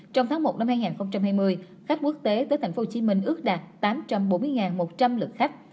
trong tháng một năm hai nghìn hai mươi khách quốc tế tới tp hcm ước đạt tám trăm bốn mươi một trăm linh lượt khách